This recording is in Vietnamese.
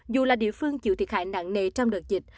dù là địa phương chịu thiệt hại nặng nề trong đợt dịch